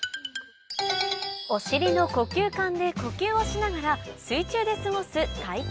お尻の呼吸管で呼吸をしながら水中で過ごす